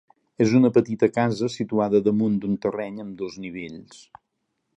És una petita casa situada damunt d'un terreny amb dos nivells.